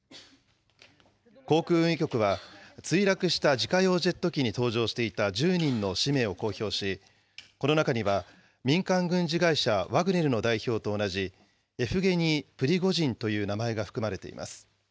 航空運輸局は、墜落した自家用ジェット機に搭乗していた１０人の氏名を公表し、この中には民間軍事会社、ワグネルの代表と同じ、エフゲニー・プリゴジンという名前が含まれています。